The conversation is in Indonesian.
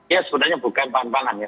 ya sebenarnya bukan bahan bahan ya